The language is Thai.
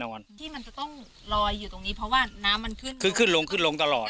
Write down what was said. วันที่มันจะต้องลอยอยู่ตรงนี้เพราะว่าน้ำมันขึ้นคือขึ้นลงขึ้นลงตลอด